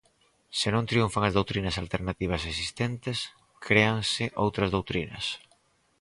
Se non triunfan as doutrinas alternativas existentes, creásense outras doutrinas.